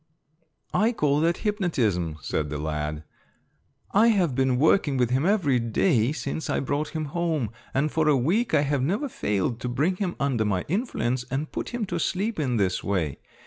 "I call that hypnotism," said the lad. "I have been working with him every day since I brought him home, and for a week I have never failed to bring him under my influence and put him to sleep in this way.